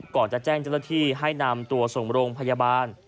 ก่อนจะแจ้งเจ้าหน้าที่ให้นำตัวส่งโรงพยาบาล